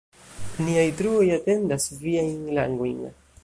Niaj truoj atendas viajn langojn“.